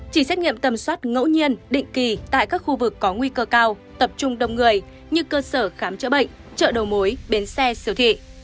chỉ xét nghiệm tầm soát ngẫu nhiên định kỳ tại các khu vực có nguy cơ cao tập trung đông người như cơ sở khám chữa bệnh chợ đầu mối bến xe siêu thị